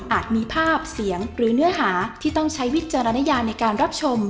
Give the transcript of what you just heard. มีภาพเสียงหรือเนื้อหาที่ต้องใช้วิจารณญาในการรับชม